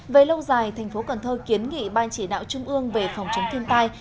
về lâu dài thành phố cần thơ kiến nghị ban chỉ đạo trung ương về phòng chống thiên tai